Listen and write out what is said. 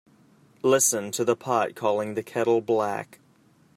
Listen to the pot calling the kettle black.